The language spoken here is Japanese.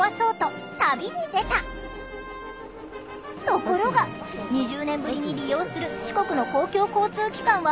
ところが２０年ぶりに利用する四国の公共交通機関は想定外の連続。